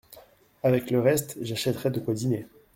Avec le reste j'achèterai de quoi dîner.